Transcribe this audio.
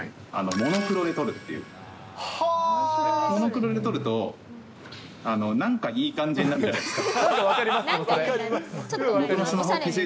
モノクロで撮ると、なんかいい感じになるじゃないですか。